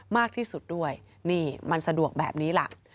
มากที่สุดด้วยนี่มันสะดวกแบบนี้ล่ะ